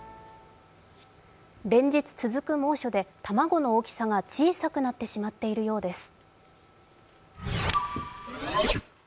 連日続く猛暑で卵の大きさが小さくなってしまっているようです。